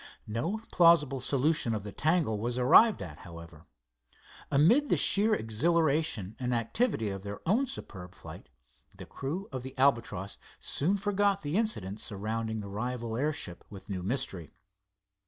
No plausible solution of the tangle was arrived at, however. Amid the sheer exhilaration and activity of their own superb flight, the crew of the Albatross soon forgot the incident surrounding the rival airship with new mystery.